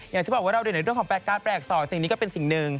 อย่างที่บอกว่าเราดูในเรื่องของแปลกการแปลกอักษรสิ่งนี้ก็เป็นสิ่งหนึ่ง